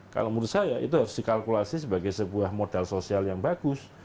kalau menurut saya itu harus dikalkulasi sebagai sebuah modal sosial yang bagus